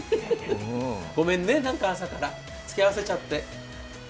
ごめんね、朝からつきあわせちゃって。